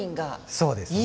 そうですね。